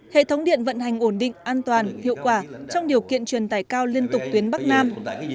hệ thống điện vận hành ổn định an toàn hiệu quả trong điều kiện truyền tải cao liên tục tuyến bắc nam